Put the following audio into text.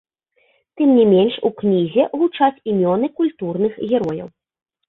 Тым не менш, у кнізе гучаць імёны культурных герояў.